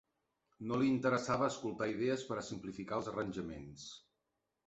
No li interessava escoltar idees per a simplificar els arranjaments.